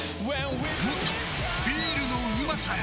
もっとビールのうまさへ！